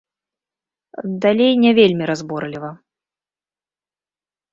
Далей не вельмі разборліва.